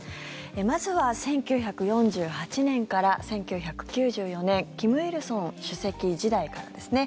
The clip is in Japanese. まずは１９４８年から１９９４年金日成主席時代からですね。